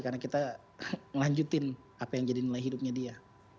karena kita melanjutin apa yang jadi nilai hidupnya dia